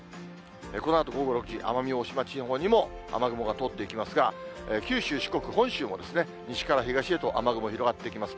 このあと午後６時、奄美大島地方にも雨雲が通っていきますが、九州、四国、本州も、西から東へと雨雲広がっていきます。